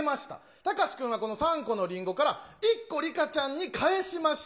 たかし君はこの３個のリンゴから、１個りかちゃんに返しました。